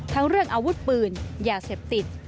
ทั้งเรื่องอาวุธปืนยาเสพติด